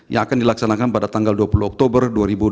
yang akan dilaksanakan pada tanggal dua puluh oktober dua ribu dua puluh